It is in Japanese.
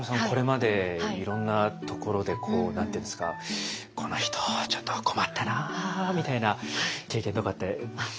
これまでいろんなところで何て言うんですか「この人ちょっと困ったな」みたいな経験とかって？